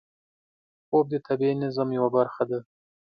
خوب د طبیعي نظم برخه ده